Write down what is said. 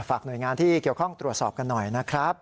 หน่วยงานที่เกี่ยวข้องตรวจสอบกันหน่อยนะครับ